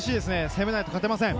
攻めないと勝てません。